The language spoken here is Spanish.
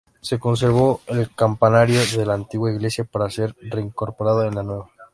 Se conservó el campanario de la antigua iglesia para ser reincorporado en la nueva.